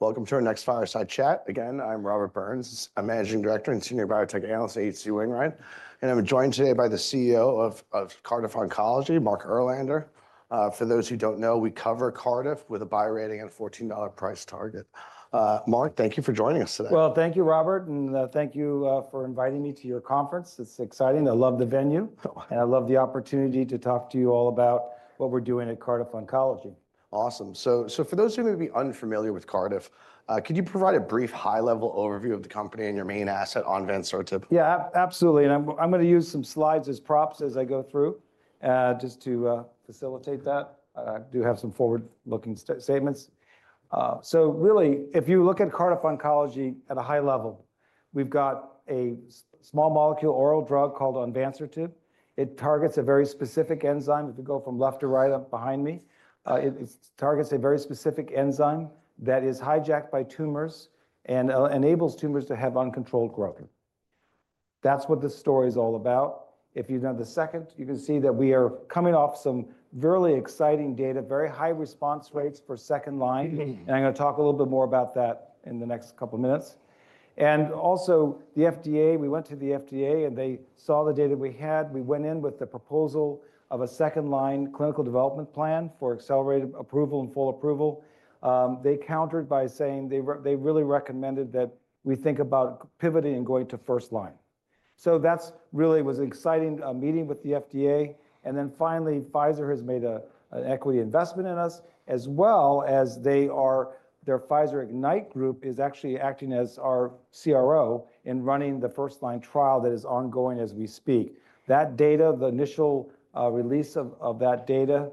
Welcome to our next Fireside Chat. Again, I'm Robert Burns, a Managing Director and Senior Biotech Analyst at H.C. Wainwright, and I'm joined today by the CEO of Cardiff Oncology, Mark Erlander. For those who don't know, we cover Cardiff with a buy rating and a $14 price target. Mark, thank you for joining us today. Well, thank you, Robert, and thank you for inviting me to your conference. It's exciting. I love the venue, I love the opportunity to talk to you all about what we're doing at Cardiff Oncology. Awesome. So, so for those who may be unfamiliar with Cardiff, could you provide a brief, high-level overview of the company and your main asset onvansertib? Yeah, absolutely, and I'm gonna use some slides as props as I go through, just to facilitate that. I do have some forward-looking statements. So really, if you look at Cardiff Oncology at a high level, we've got a small molecule oral drug called onvansertib. It targets a very specific enzyme, if you go from left to right up behind me. It targets a very specific enzyme that is hijacked by tumors and enables tumors to have uncontrolled growth. That's what this story is all about. If you go to the second, you can see that we are coming off some really exciting data, very high response rates for second line, and I'm gonna talk a little bit more about that in the next couple minutes. And also, the FDA, we went to the FDA, and they saw the data we had. We went in with a proposal of a second-line clinical development plan for accelerated approval and full approval. They countered by saying they really recommended that we think about pivoting and going to first-line. So that really was exciting meeting with the FDA, and then finally, Pfizer has made an equity investment in us, as well as their Pfizer Ignite group is actually acting as our CRO in running the first-line trial that is ongoing as we speak. That data, the initial release of that data,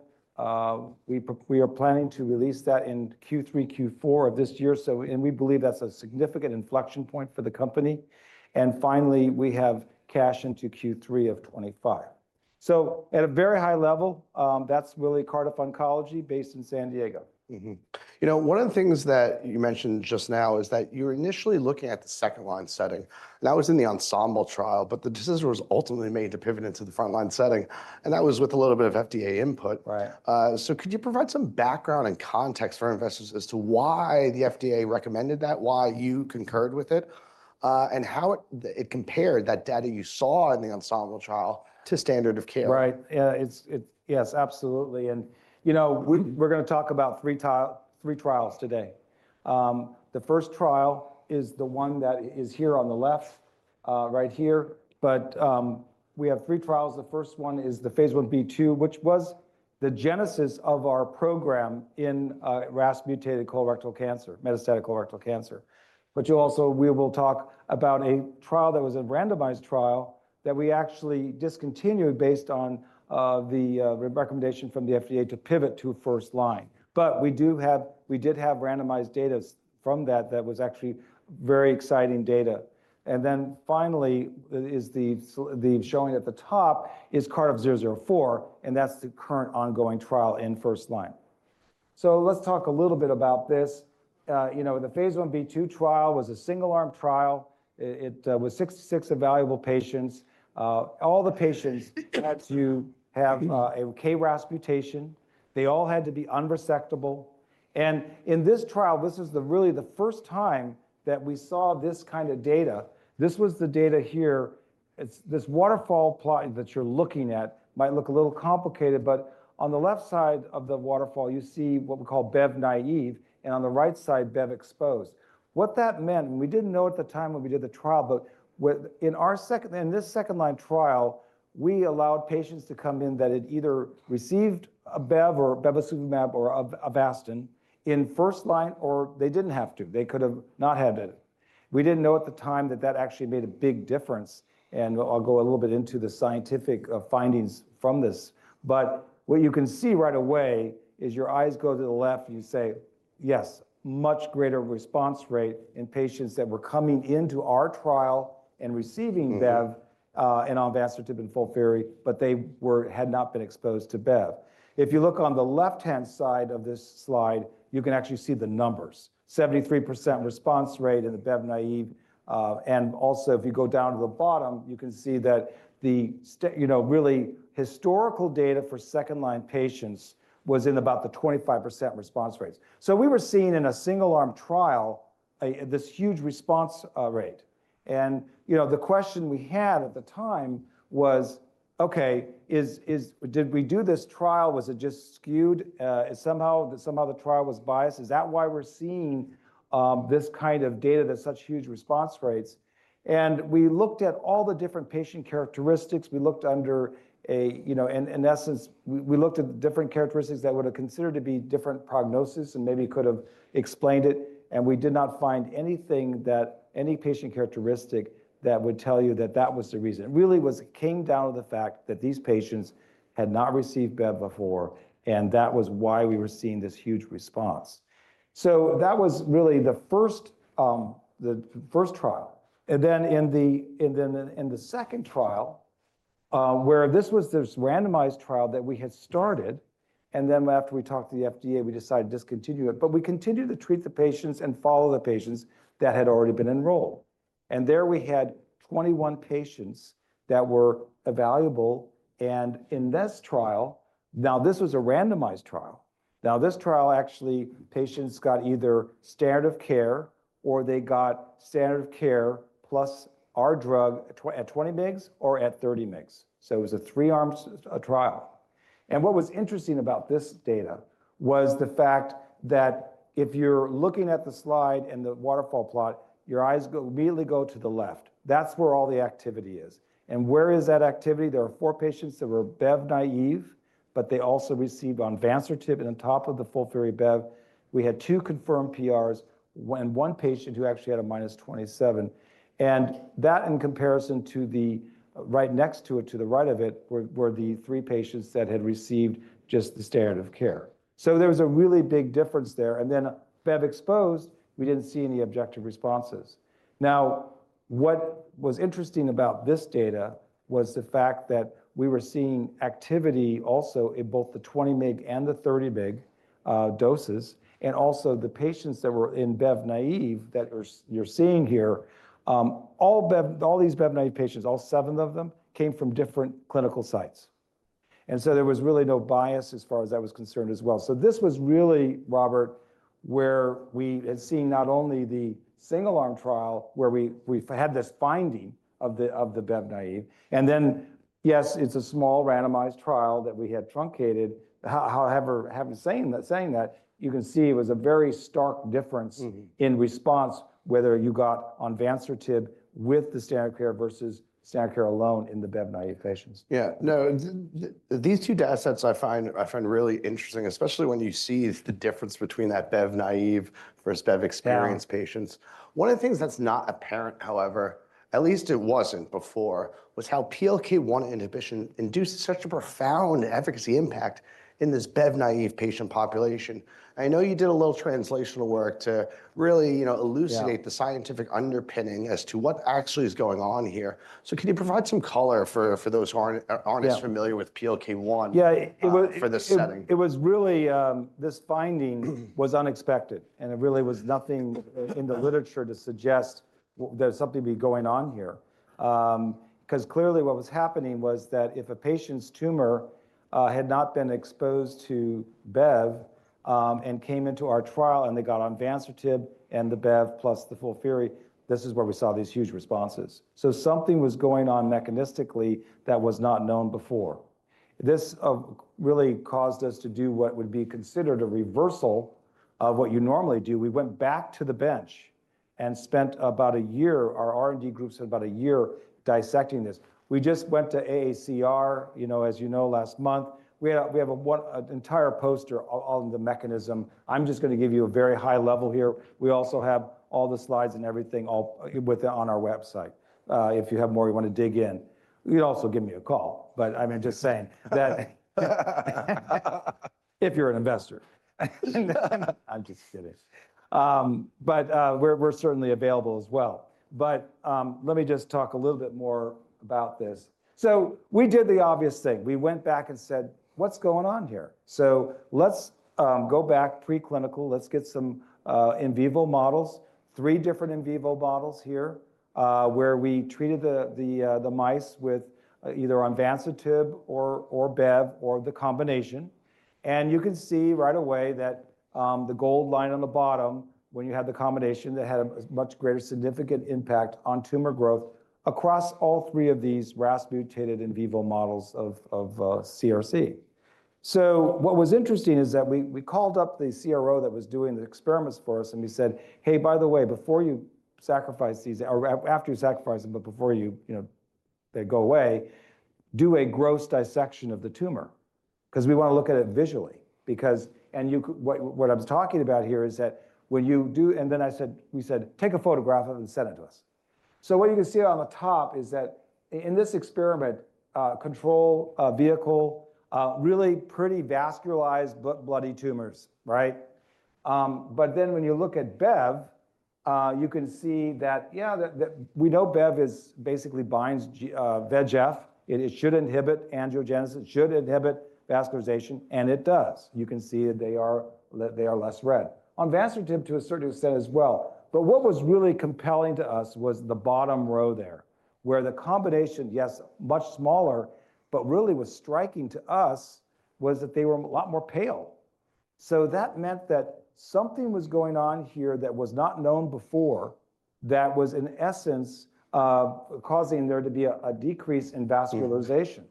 we are planning to release that in Q3, Q4 of this year, so and we believe that's a significant inflection point for the company. And finally, we have cash into Q3 of 2025. At a very high level, that's really Cardiff Oncology, based in San Diego. You know, one of the things that you mentioned just now is that you were initially looking at the second-line setting, and that was in the ENSEMBLE trial, but the decision was ultimately made to pivot into the first-line setting, and that was with a little bit of FDA input. So could you provide some background and context for our investors as to why the FDA recommended that, why you concurred with it, and how it compared, that data you saw in the ENSEMBLE trial, to standard of care? Right. Yeah, it's yes, absolutely, and, you know, we're gonna talk about three trial, three trials today. The first trial is the one that is here on the left, right here, but we have three trials. The first one is the Phase Ib/II, which was the genesis of our program in RAS mutated colorectal cancer, metastatic colorectal cancer. But you also we will talk about a trial that was a randomized trial that we actually discontinued based on the recommendation from the FDA to pivot to first-line. But we do have, we did have randomized data from that, that was actually very exciting data. And then finally, the showing at the top is CRDF-004, and that's the current ongoing trial in first-line. So let's talk a little bit about this. You know, the Phase Ib/II trial was a single-arm trial. It was 66 evaluable patients. All the patients had to have a KRAS mutation. They all had to be unresectable, and in this trial, this is really the first time that we saw this kind of data. This was the data here. It's this waterfall plot that you're looking at might look a little complicated, but on the left side of the waterfall, you see what we call BEV-naive, and on the right side, Bev exposed. What that meant, and we didn't know at the time when we did the trial, but in our second-line trial, we allowed patients to come in that had either received a Bev or bevacizumab or Avastin in first line, or they didn't have to. They could have not had it. We didn't know at the time that that actually made a big difference, and I'll go a little bit into the scientific findings from this. But what you can see right away is your eyes go to the left, and you say, "Yes, much greater response rate in patients that were coming into our trial and receiving Bev and onvansertib in FOLFIRI, but they were, had not been exposed to Bev. If you look on the left-hand side of this slide, you can actually see the numbers, 73% response rate in the BEV-naive, and also, if you go down to the bottom, you can see that the st- you know, really historical data for second line patients was in about the 25% response rates. So we were seeing in a single-arm trial, a, this huge response, rate. And, you know, the question we had at the time was, "Okay, did we do this trial? Was it just skewed somehow? The trial was biased? Is that why we're seeing this kind of data that's such huge response rates?" And we looked at all the different patient characteristics. We looked, you know, in essence, we looked at the different characteristics that would have considered to be different prognosis and maybe could have explained it, and we did not find anything that, any patient characteristic, that would tell you that that was the reason. It really was- came down to the fact that these patients had not received Bev before, and that was why we were seeing this huge response. So that was really the first, the first trial, and then in the, and then in the second trial, where this was this randomized trial that we had started, and then after we talked to the FDA, we decided to discontinue it, but we continued to treat the patients and follow the patients that had already been enrolled.... and there we had 21 patients that were evaluable, and in this trial, now, this was a randomized trial. Now, this trial, actually, patients got either standard of care or they got standard of care plus our drug at 20 mg or at 30 mg. So it was a three-arm trial. And what was interesting about this data was the fact that if you're looking at the slide and the waterfall plot, your eyes go, immediately go to the left. That's where all the activity is, and where is that activity? There are four patients that were BEV-naive, but they also received onvansertib on top of the FOLFIRI BEV. We had two confirmed PRs when one patient who actually had a -27, and that in comparison to the, right next to it, to the right of it, were the three patients that had received just the standard of care. So there was a really big difference there, and then BEV exposed, we didn't see any objective responses. Now, what was interesting about this data was the fact that we were seeing activity also in both the 20 mg and the 30 mg doses, and also the patients that were in BEV-naive that you're seeing here. All BEV-naive patients, all seven of them, came from different clinical sites, and so there was really no bias as far as that was concerned as well. So this was really, Robert, where we had seen not only the single-arm trial, where we had this finding of the BEV-naive, and then, yes, it's a small randomized trial that we had truncated. However, having said that, you can see it was a very stark difference in response whether you got onvansertib with the standard care versus standard care alone in the BEV-naive patients. Yeah. No, these two data sets I find, I find really interesting, especially when you see the difference between that BEV-naive versus BEV-experienced patients. One of the things that's not apparent, however, at least it wasn't before, was how PLK1 inhibition induced such a profound efficacy impact in this BEV-naive patient population. I know you did a little translational work to really, you know, elucidate, the scientific underpinning as to what actually is going on here. So can you provide some color for those who aren't, are not familiar with PLK1 for this setting? It was really, this finding was unexpected, and there really was nothing in the literature to suggest, there's something going on here. 'Cause clearly what was happening was that if a patient's tumor had not been exposed to BEV, and came into our trial, and they got onvansertib and the BEV plus the FOLFIRI, this is where we saw these huge responses. So something was going on mechanistically that was not known before. This really caused us to do what would be considered a reversal of what you normally do. We went back to the bench and spent about a year, our R&D groups, had about a year dissecting this. We just went to AACR, you know, as you know, last month. We have an entire poster on the mechanism. I'm just gonna give you a very high level here. We also have all the slides and everything, all with the on our website. If you have more you wanna dig in, you can also give me a call, but I mean, just saying that. If you're an investor. No, I'm not. I'm just kidding. But we're certainly available as well. But, let me just talk a little bit more about this. So we did the obvious thing. We went back and said, "What's going on here?" So let's go back preclinical. Let's get some in vivo models. Three different in vivo models here, where we treated the mice with either onvansertib or BEV or the combination, and you can see right away that the gold line on the bottom, when you had the combination, that had a much greater significant impact on tumor growth across all three of these RAS mutated in vivo models of CRC. So what was interesting is that we called up the CRO that was doing the experiments for us, and we said, "Hey, by the way, before you sacrifice these, or after you sacrifice them, but before you know, they go away, do a gross dissection of the tumor, 'cause we wanna look at it visually," because... And what I was talking about here is that, and then we said, "Take a photograph of it and send it to us." So what you can see on the top is that in this experiment, control, vehicle, really pretty vascularized but bloody tumors, right? But then when you look at BEV, you can see that, yeah, we know BEV is basically binds G, VEGF. It should inhibit angiogenesis, it should inhibit vascularization, and it does. You can see that they are less red. On onvansertib to a certain extent as well, but what was really compelling to us was the bottom row there, where the combination, yes, much smaller, but really what was striking to us was that they were a lot more pale. So that meant that something was going on here that was not known before, that was, in essence, causing there to be a decrease in vascularization.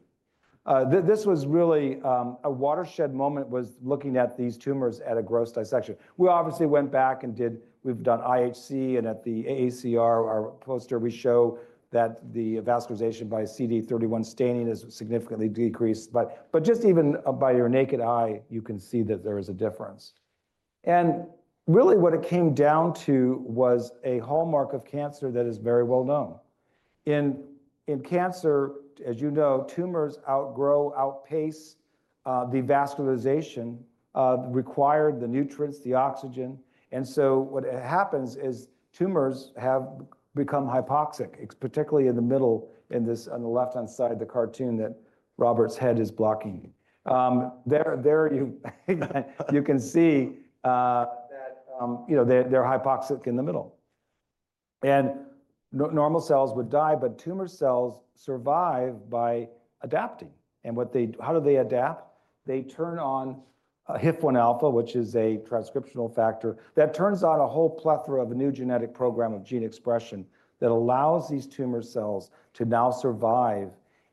This was really a watershed moment was looking at these tumors at a gross dissection. We obviously went back and did. We've done IHC, and at the AACR, our poster, we show that the vascularization by CD31 staining is significantly decreased. But just even by your naked eye, you can see that there is a difference. And really what it came down to was a hallmark of cancer that is very well known. In cancer, as you know, tumors outgrow, outpace the vascularization required the nutrients, the oxygen, and so what happens is tumors have become hypoxic, particularly in the middle, in this, on the left-hand side of the cartoon that Robert's head is blocking. There you can see that you know, they're hypoxic in the middle. Normal cells would die, but tumor cells survive by adapting, and what they do—how do they adapt? They turn on HIF-1 alpha, which is a transcription factor that turns on a whole plethora of a new genetic program of gene expression that allows these tumor cells to now survive.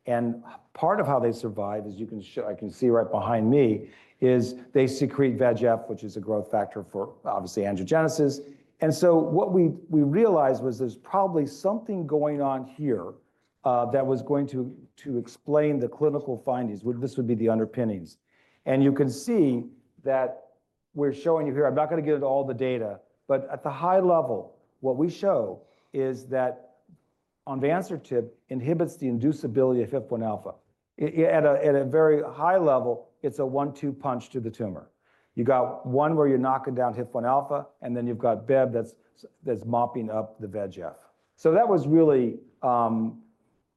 And part of how they survive, as you can see, I can see right behind me, is they secrete VEGF, which is a growth factor for, obviously, angiogenesis. And so what we realized was there's probably something going on here that was going to explain the clinical findings, where this would be the underpinnings. And you can see that we're showing you here. I'm not going to get into all the data, but at the high level, what we show is that onvansertib inhibits the inducibility of HIF-1 alpha. At a very high level, it's a one-two punch to the tumor. You got one where you're knocking down HIF-1 alpha, and then you've got Bev that's mopping up the VEGF. So that was really...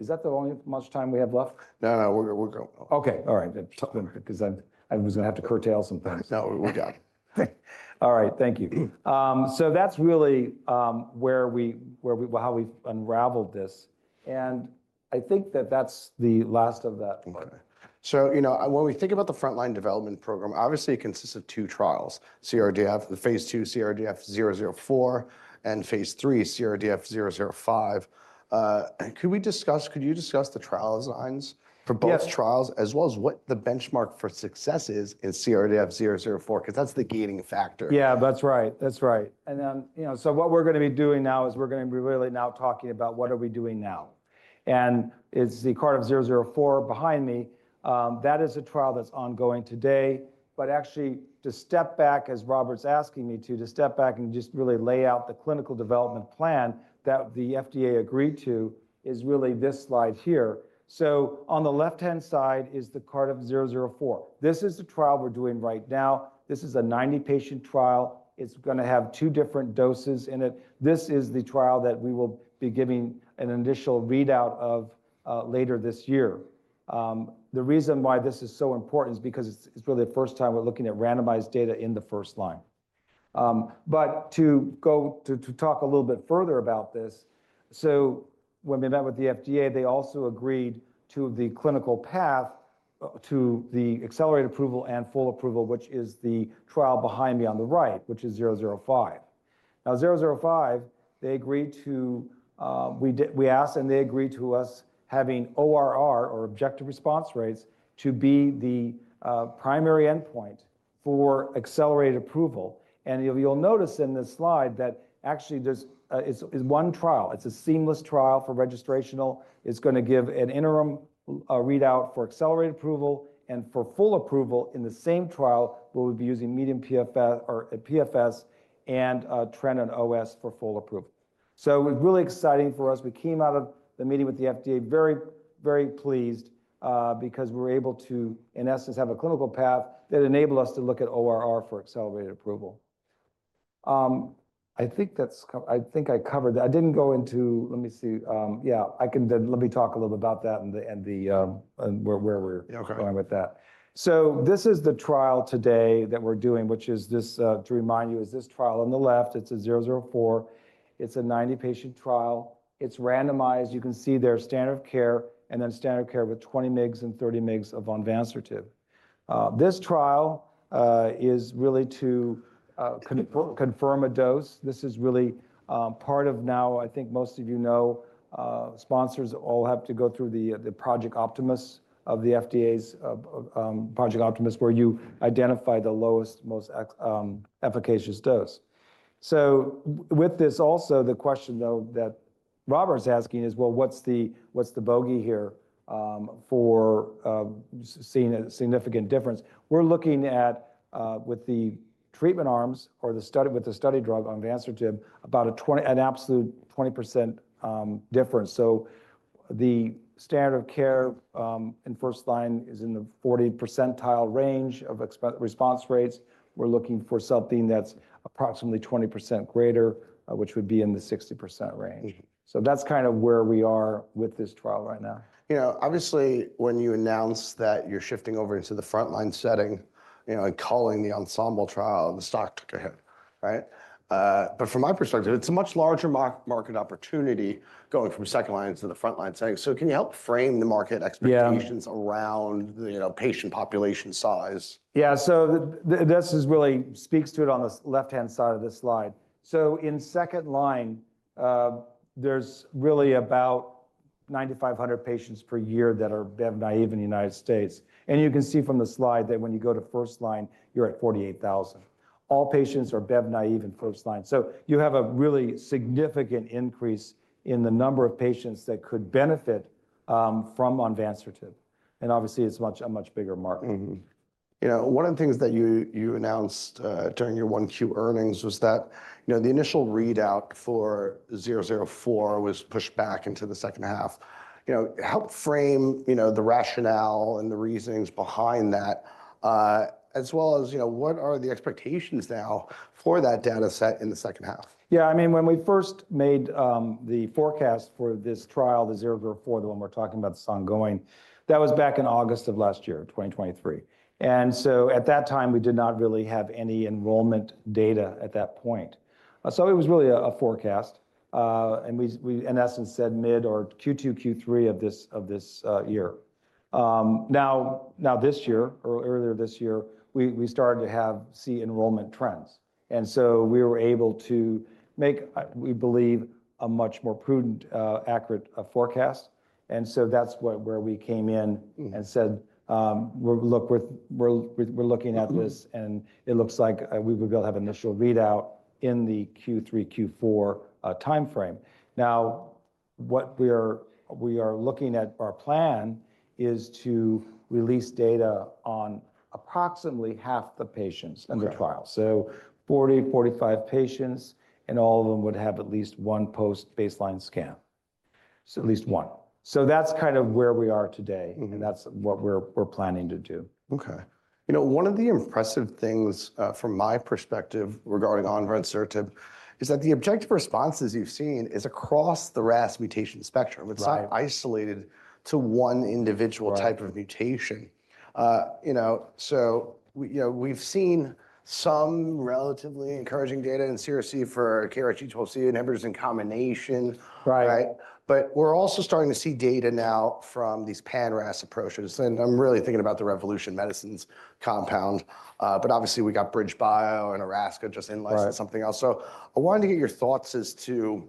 Is that all the time we have left? No, no, we're, we're go- Okay, all right. Then something, 'cause I, I was going to have to curtail some things. No, we've got it. All right, thank you. So that's really how we've unraveled this, and I think that that's the last of that part. Okay. So, you know, when we think about the frontline development program, obviously, it consists of two trials: CRDF, the Phase II CRDF-004 and Phase III, CRDF-005. Could we discuss, could you discuss the trial designs for both- trials, as well as what the benchmark for success is in CRDF-004? 'Cause that's the gaining factor. Yeah, that's right, that's right. And then, you know, so what we're going to be doing now is we're going to be really now talking about what are we doing now. And it's the CRDF-004 behind me, that is a trial that's ongoing today. But actually, to step back, as Robert's asking me to, to step back and just really lay out the clinical development plan that the FDA agreed to, is really this slide here. So on the left-hand side is the CRDF-004. This is the trial we're doing right now. This is a 90-patient trial. It's going to have two different doses in it. This is the trial that we will be giving an initial readout of, later this year. The reason why this is so important is because it's really the first time we're looking at randomized data in the first line. But to talk a little bit further about this, so when we met with the FDA, they also agreed to the clinical path to the accelerated approval and full approval, which is the trial behind me on the right, which is 005. Now, 005, they agreed to—we asked, and they agreed to us having ORR, or objective response rates, to be the primary endpoint for accelerated approval. And you'll notice in this slide that actually, it's one trial. It's a seamless trial for registrational. It's going to give an interim readout for accelerated approval and for full approval in the same trial, where we'll be using median PFS, or PFS, and trend and OS for full approval. So it was really exciting for us. We came out of the meeting with the FDA very, very pleased because we were able to, in essence, have a clinical path that enabled us to look at ORR for accelerated approval. I think that's covered. I think I covered that. I didn't go into. Let me see, yeah, I can let me talk a little bit about that and the and where we're going with that. So this is the trial today that we're doing, which is this, to remind you, is this trial on the left. It's CRDF-004. It's a 90-patient trial. It's randomized. You can see their standard of care, and then standard care with 20 mg and 30 mg of onvansertib. This trial is really to confirm a dose. This is really part of now, I think most of you know, sponsors all have to go through the Project Optimus of the FDA's Project Optimus, where you identify the lowest, most efficacious dose. So with this also, the question, though, that Robert's asking is, well, what's the bogey here for seeing a significant difference? We're looking at with the treatment arms with the study drug, onvansertib, about a 20, an absolute 20% difference. So the standard of care in first line is in the 40% range of expected response rates. We're looking for something that's approximately 20% greater, which would be in the 60% range. That's kind of where we are with this trial right now. You know, obviously, when you announce that you're shifting over into the frontline setting, you know, and calling the ENSEMBLE trial, the stock took a hit, right? But from my perspective, it's a much larger market opportunity going from second line to the frontline setting. So can you help frame the market expectations around the, you know, patient population size? Yeah, so this really speaks to it on the left-hand side of this slide. So in second line, there's really about 9,500 patients per year that are BEV-naive in the United States. And you can see from the slide that when you go to first line, you're at 48,000. All patients are BEV-naive in first line. So you have a really significant increase in the number of patients that could benefit from onvansertib, and obviously, it's much, a much bigger market. You know, one of the things that you announced during your 1Q earnings was that, you know, the initial readout for 004 was pushed back into the second half. You know, help frame the rationale and the reasonings behind that, as well as, you know, what are the expectations now for that data set in the second half? Yeah, I mean, when we first made the forecast for this trial, CRDF-004, the one we're talking about that's ongoing, that was back in August of last year, 2023. And so at that time, we did not really have any enrollment data at that point. So it was really a forecast, and we in essence said mid or Q2, Q3 of this year. Now, earlier this year, we started to see enrollment trends, and so we were able to make, we believe, a much more prudent, accurate forecast. And so that's where we came in and said, "Well, look, we're, we're, we're looking at this and it looks like we will have initial readout in the Q3-Q4 timeframe. Now, what we are looking at, our plan is to release data on approximately half the patients in the trial. So 40, 45 patients, and all of them would have at least one post-baseline scan. So at least 1. So that's kind of where we are today. And that's what we're planning to do. Okay. You know, one of the impressive things from my perspective regarding onvansertib, is that the objective responses you've seen is across the RAS mutation spectrum. It's not isolated to one individual A type of mutation. You know, so we, you know, we've seen some relatively encouraging data in CRC for KRAS G12C inhibitors in combination. Right? But we're also starting to see data now from these pan-RAS approaches, and I'm really thinking about the Revolution Medicines compound. But obviously, we got BridgeBio and Erasca just in line with something else. So I wanted to get your thoughts as to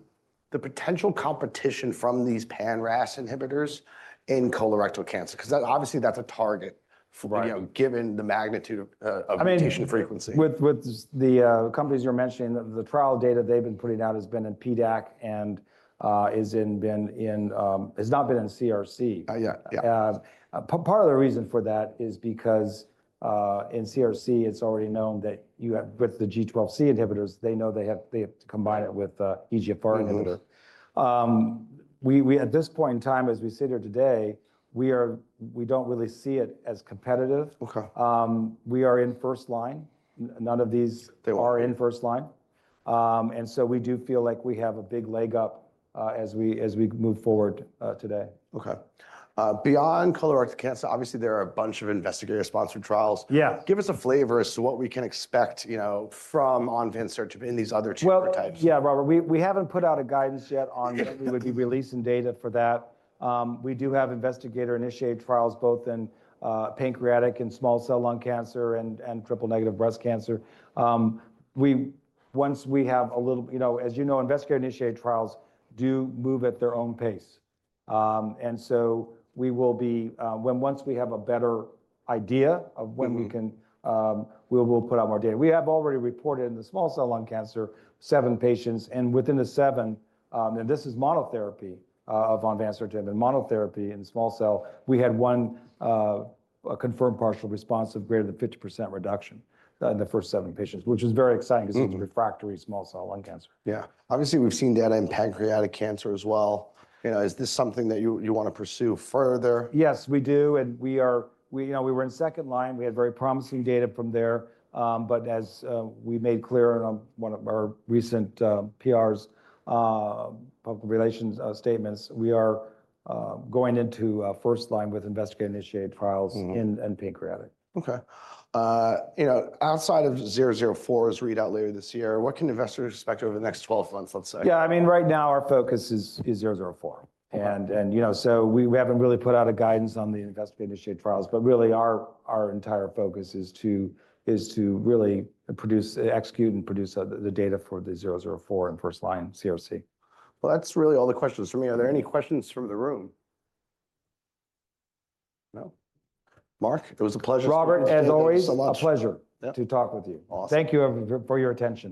the potential competition from these pan-RAS inhibitors in colorectal cancer, 'cause that, obviously, that's a target you know, given the magnitude of mutation frequency with the companies you're mentioning, the trial data they've been putting out has been in PDAC and has not been in CRC. Part of the reason for that is because, in CRC, it's already known that with the G12C inhibitors, they know they have to combine it with EGFR inhibitor. We at this point in time, as we sit here today, we are... we don't really see it as competitive. We are in first line. None of these are in first line. And so we do feel like we have a big leg up, as we, as we move forward, today. Okay. Beyond colorectal cancer, obviously, there are a bunch of investigator-sponsored trials. Give us a flavor as to what we can expect, you know, from onvansertib in these other tumor types. Well, yeah, Robert, we haven't put out a guidance yet on when we would be releasing data for that. We do have investigator-initiated trials both in pancreatic and small cell lung cancer and triple-negative breast cancer. Once we have a little... You know, as you know, investigator-initiated trials do move at their own pace. And so we will be, when we have a better idea of when we can we will put out more data. We have already reported in the small cell lung cancer, seven patients, and within the seven, and this is monotherapy of onvansertib. In monotherapy in small cell, we had one, a confirmed partial response of greater than 50% reduction, in the first seven patients, which is very exciting 'cause it's a refractory small cell lung cancer. Yeah. Obviously, we've seen data in pancreatic cancer as well. You know, is this something that you, you want to pursue further? Yes, we do, and we are... We, you know, we were in second line. We had very promising data from there. But as we made clear in one of our recent PRs, public relations statements, we are going into first line with investigator-initiated trials in pancreatic. Okay. You know, outside of CRDF-004's readout later this year, what can investors expect over the next 12 months, let's say? Yeah, I mean, right now, our focus is 004. You know, so we haven't really put out a guidance on the investigator-initiated trials, but really, our entire focus is to really execute and produce the data for the 004 and first-line CRC. Well, that's really all the questions from me. Are there any questions from the room? No. Mark, it was a pleasure. Robert, as always-… so much... a pleasure to talk with you. Awesome. Thank you for your attention.